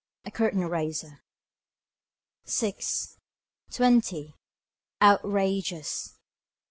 A CURTAIN RAISER Six. Twenty. Outrageous.